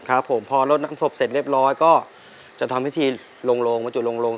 ครับผมพอลดน้ำศพเสร็จเรียบร้อยก็จะทำพิธีลงโรงบรรจุลงลง